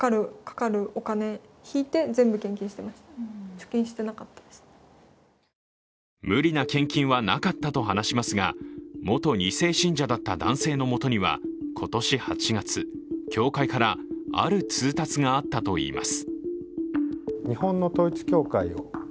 それでも無理な献金はなかったと話しますが元２世信者だった男性のもとには今年８月、教会からある通達があったといいます。